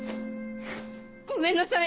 ごめんなさい。